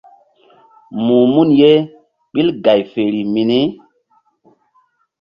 Muh mun ye ɓil gay feri mini.